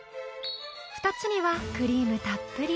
［２つにはクリームたっぷり］